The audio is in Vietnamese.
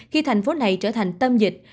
khi thành phố này trở thành tâm dịch